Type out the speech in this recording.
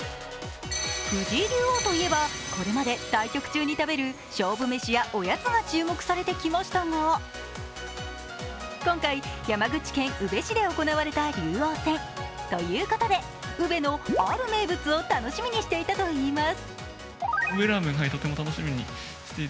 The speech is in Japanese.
藤井竜王といえば、これまで対局中に食べる勝負飯やおやつが注目されてきましたが今回山口県宇部市で行われた竜王戦ということで、宇部のある名物を楽しみにしていたといいます。